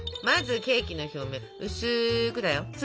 まずケーキの表面薄くだよ。